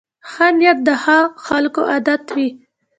ښه نیت د ښو خلکو عادت وي.